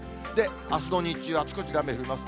あすの日中、あちこち雨降ります。